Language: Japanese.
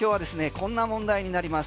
こんな問題になります。